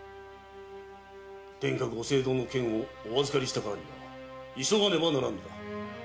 天下ご政道の権をお預かりしたからには急がねばならぬのだ。